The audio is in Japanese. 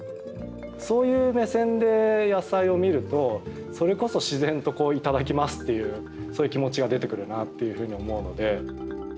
そういう目線で野菜を見るとそれこそ自然といただきますっていうそういう気持ちが出てくるなっていうふうに思うので。